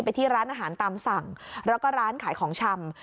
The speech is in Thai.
ที่ร้านอาหารตามสั่งแล้วก็ร้านขายของชำ